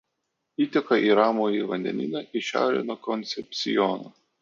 Įteka į Ramųjį vandenyną į šiaurę nuo Konsepsjono.